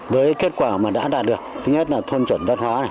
với kết quả mà đã đạt được thứ nhất là thôn chuẩn văn hóa này